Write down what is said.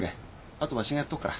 あとわしがやっとくから。